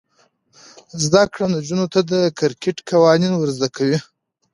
زده کړه نجونو ته د کرکټ قوانین ور زده کوي.